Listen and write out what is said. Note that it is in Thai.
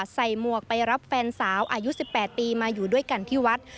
หมวกไปรับแฟนสาวอายุ๑๘ปีมาอยู่ด้วยกันที่วัด